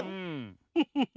フフフ。